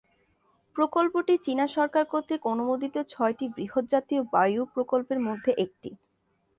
প্রকল্পটি চীনা সরকার কর্তৃক অনুমোদিত ছয়টি বৃহৎ জাতীয় বায়ু প্রকল্পের মধ্যে একটি।